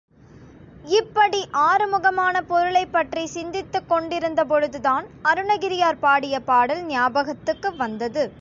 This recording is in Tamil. இப்படி ஆறுமுகமான பொருளைப் பற்றிச் சிந்தித்துக் கொண்டிருந்த பொழுதுதான் அருணகிரியார் பாடிய பாடல் ஞாபகத்துக்கு வந்தது.